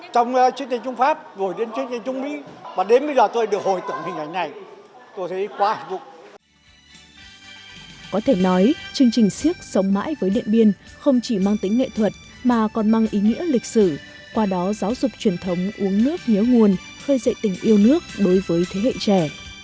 sống mãi với điện biên có thể nói chương trình siếc sống mãi với điện biên không chỉ mang tính nghệ thuật mà còn mang ý nghĩa lịch sử qua đó giáo dục truyền thống uống nước nhớ nguồn khơi dậy tình yêu nước đối với thế hệ trẻ